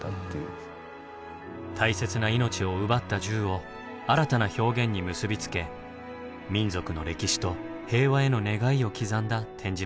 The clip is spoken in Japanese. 大切な命を奪った銃を新たな表現に結び付け民族の歴史と平和への願いを刻んだ展示物です。